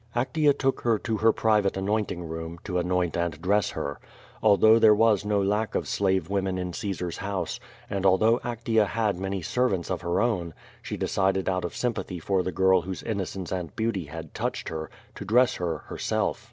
Actea took her to her private anointing room, to anoint and dress her. Although there was no lack of slave women in Caesar's house, and although Actea had many servants of her own, she decided out of sympathy for the girl whose innocence and beauty had touched her, to dress her herself.